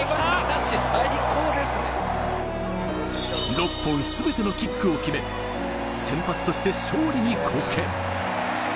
６本全てのキックを決め、先発として勝利に貢献。